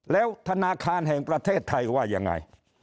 แล้วธนาคารแห่งประเทศไทยว่ายังไง